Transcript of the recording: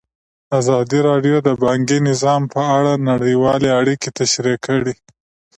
ازادي راډیو د بانکي نظام په اړه نړیوالې اړیکې تشریح کړي.